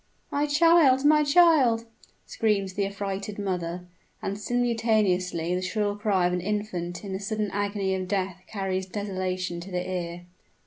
"My child! my child!" screams the affrighted mother; and simultaneously the shrill cry of an infant in the sudden agony of death carries desolation to the ear!